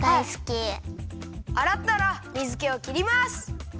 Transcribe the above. あらったら水けをきります。